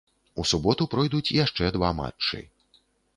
У суботу пройдуць яшчэ два матчы.